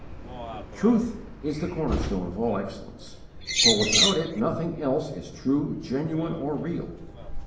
_ Truth is the corner stone of all excellence, for without it nothing else is true, genuine, or real.